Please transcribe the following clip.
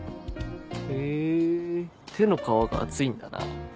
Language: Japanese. へぇ手の皮が厚いんだな。